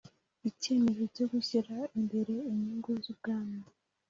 icyemezo cyo gushyira imbere inyungu z Ubwami